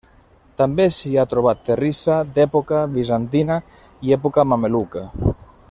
També s'hi ha trobat terrissa d'època bizantina i època mameluca.